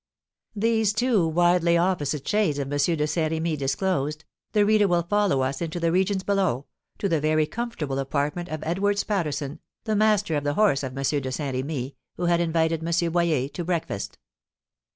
These two widely opposite shades of M. de Saint Remy disclosed, the reader will follow us into the regions below, to the very comfortable apartment of Edwards Patterson, the master of the horse of M. de Saint Remy, who had invited M. Boyer to breakfast.